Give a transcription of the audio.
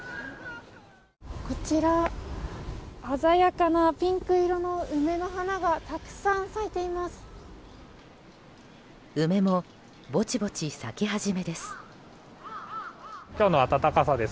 こちら鮮やかなピンク色の梅の花がたくさん咲いています。